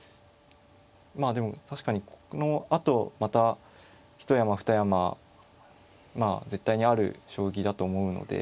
まあでも確かにこのあとまた一山二山まあ絶対にある将棋だと思うので。